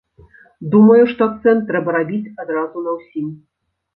Думаю, што акцэнт трэба рабіць адразу на ўсім.